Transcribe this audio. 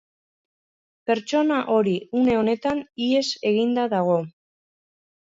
Pertsona hori une honetan ihes eginda dago.